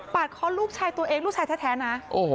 คอลูกชายตัวเองลูกชายแท้นะ